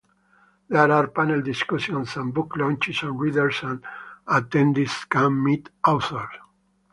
There are panel discussions and book launches and readers and attendees can meet authors.